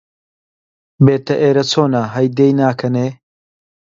بێتە ئێرە، چۆنە هەی دێی ناکەنێ!؟